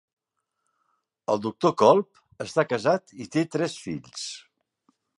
El doctor Kolb està casat i té tres fills.